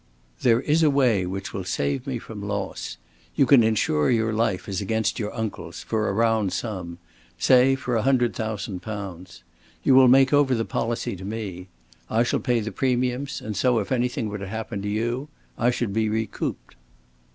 "There is a way which will save me from loss. You can insure your life as against your uncle's, for a round sum say for a hundred thousand pounds. You will make over the policy to me. I shall pay the premiums, and so if anything were to happen to you I should be recouped."